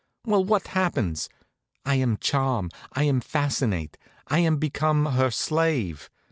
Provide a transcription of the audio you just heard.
Well, what happens? I am charm, I am fascinate, I am become her slave.